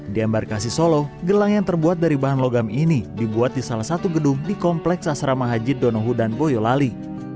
di embarkasi solo gelang yang terbuat dari bahan logam ini dibuat di salah satu gedung di kompleks asrama haji donohu dan boyolali